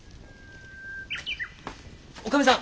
女将さん